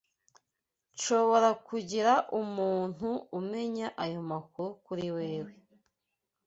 Nshobora kugira umuntu umenya ayo makuru kuri wewe.